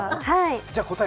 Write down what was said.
じゃ答え